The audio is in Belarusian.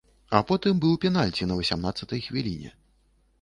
А потым быў пенальці на васямнаццатай хвіліне.